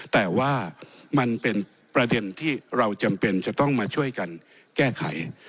แต่ว่ามันเป็นประเด็นที่เราจำเป็นจะต้องมาช่วยกันแก้ไข